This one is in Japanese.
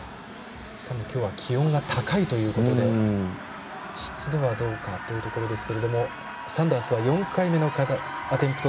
しかも今日は気温が高いというところで湿度はどうかというところですけどもサンダースは４回目のアテンプト。